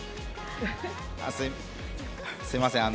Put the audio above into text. すいません。